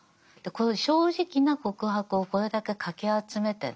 正直な告白をこれだけかき集めてね